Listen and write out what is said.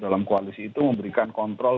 dalam koalisi itu memberikan kontrol